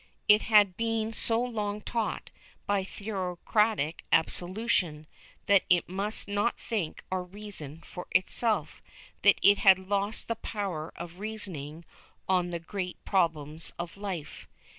It had been so long taught, by theocratic absolutism, that it must not think or reason for itself, that it had lost the power of reasoning on the great problems of life.